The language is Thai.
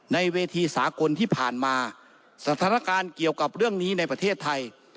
ในเวทีสากลที่ผ่านมาสถานการณ์เกี่ยวกับเรื่องนี้ในประเทศไทย